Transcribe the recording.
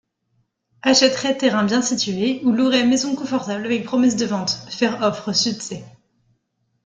Achèterait terrain bien situé ou louerait maison confortable avec promesse de vente, faire offre sudC.